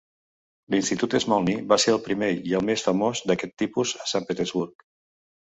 L'institut Smolny va ser el primer i el més famós d'aquest tipus a Sant Petersburg.